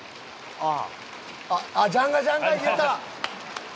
「ジャンガジャンガ入れた！」